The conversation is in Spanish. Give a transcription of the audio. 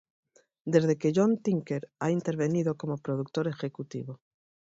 Desde que John Tinker ha intervenido como productor ejecutivo.